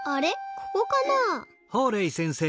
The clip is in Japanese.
ここかなあ？